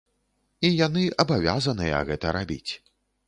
І яны абавязаныя гэта рабіць.